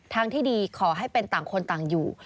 ทางที่ดีขอให้เป็นต่างคนต่างอยู่